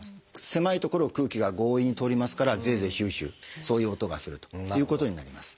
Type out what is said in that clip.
狭い所を空気が強引に通りますからゼーゼーヒューヒューそういう音がするということになります。